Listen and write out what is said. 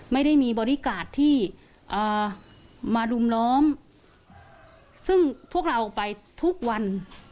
ไม่ได้มีบอดี้การ์ดที่มารุมล้อมซึ่งพวกเราไปทุกวัน